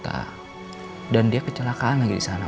tapi dia udah kecelakaan lagi di luar kota